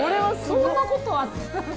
そんなことあったの？